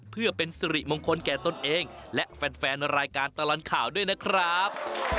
เพื่อเป็นสิริมงคลแก่ตนเองและแฟนรายการตลอดข่าวด้วยนะครับ